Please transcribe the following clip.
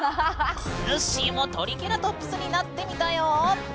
ぬっしーもトリケラトプスになってみたよ。